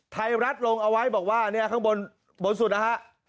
ไทยรัฐลงเอาไว้บอกว่าเนี่ยข้างบนบนสุดนะฮะ